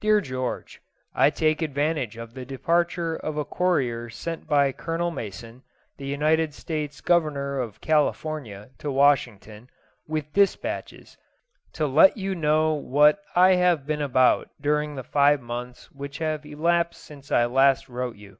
DEAR GEORGE, I take advantage of the departure of a courier sent by Colonel Mason, the United States Governor of California, to Washington, with dispatches, to let you know what I have been about during the five months which have elapsed since I last wrote you.